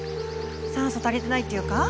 酸素足りてないっていうか。